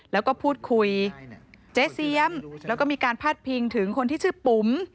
แล้วก็พูดคุยเจ๊เสียมแล้วก็มีการพาดพิงถึงคนที่ชื่อปุ๋ม